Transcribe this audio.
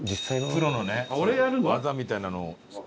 プロのね技みたいなのを。